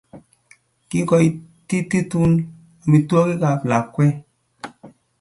Kikoitititun omitwogikab lakwe